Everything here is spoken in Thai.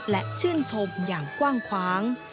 และชื่นชมอย่างกว้าง